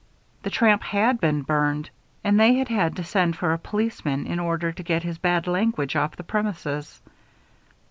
The tramp had been burned; and they had had to send for a policeman, in order to get his bad language off the premises.